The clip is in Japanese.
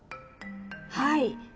はい。